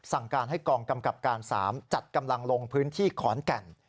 สั่งการให้กองกำกับการ๓จัดกำลังลงพื้นที่ขอนแก่น